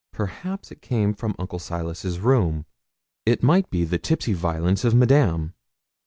Perhaps it came from Uncle Silas's room. It might be the tipsy violence of Madame.